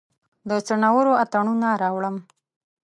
د څنورو اتڼوڼه راوړم